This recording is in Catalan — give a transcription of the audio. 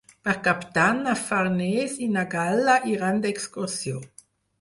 Per Cap d'Any na Farners i na Gal·la iran d'excursió.